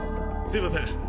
すいません